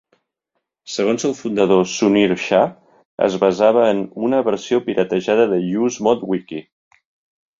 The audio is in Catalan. Segons el fundador Sunir Shah, es basava en "una versió piratejada d'UseModWiki".